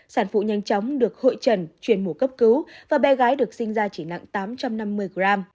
sản phụ nhanh chóng được hội trần chuyển mùa cấp cứu và bé gái được sinh ra chỉ nặng tám trăm năm mươi gram